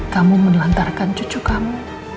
kamu menelantarkan cucu kamu